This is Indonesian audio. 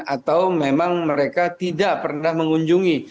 atau memang mereka tidak pernah mengunjungi